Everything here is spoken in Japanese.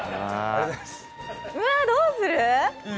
うわ、どうする？